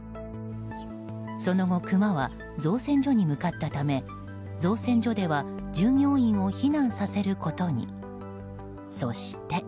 その後、クマは造船所に向かったため造船所では従業員を避難させることに。